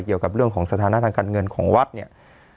เกี่ยวกับเรื่องของสถานะทางการเงินของวัดเนี่ย